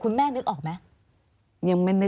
คุณแม่นึกออกไหม